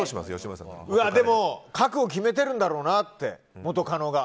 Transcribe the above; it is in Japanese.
でも覚悟決めてるんだろうなって元カノが。